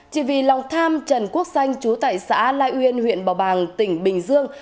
chỉ vì lòng tham trần quốc xanh chú tại xã lai uyên huyện bảo bàng tỉnh bình dương